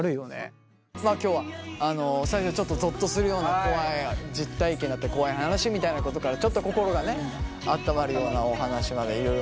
今日は最初ちょっとゾッとするような怖い実体験だったり怖い話みたいなことからちょっと心がねあったまるようなお話までいろいろ。